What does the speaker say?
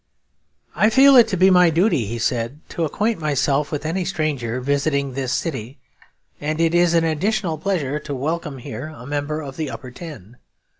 'I feel it to be my duty,' he said, 'to acquaint myself with any stranger visiting this city; and it is an additional pleasure to welcome here a member of the Upper Ten.'